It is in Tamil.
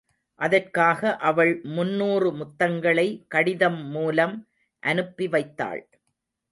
அதற்காக அவள் முன்னூறு முத்தங்களை கடிதம் மூலம் அனுப்பி வைத்தாள்.